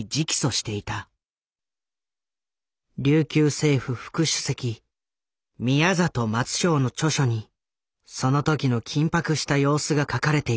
琉球政府副主席宮里松正の著書にその時の緊迫した様子が書かれている。